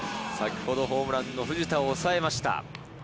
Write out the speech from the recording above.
先ほどホームランの藤田を抑えました。